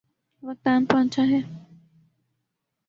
وقت آن پہنچا ہے۔